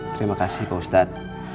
terima kasih pak ustaz